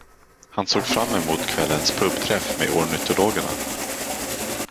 Han såg fram emot kvällens pub-träff med ornitologerna.